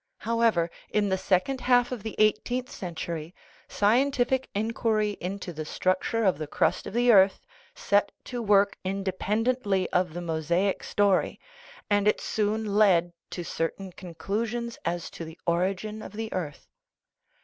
However, in the second half of the eighteenth century, scientific inquiry into the structure of the crust of the earth set to work independently of the Mosaic story, and it soon led to certain conclusions as to the origin of the earth.